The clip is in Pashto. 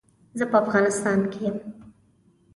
زه په افغانيستان کې يم.